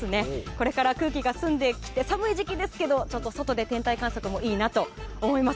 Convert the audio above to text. これから空気が澄んできて寒い時期ですけどちょっと外で天体観測もいいなと思います。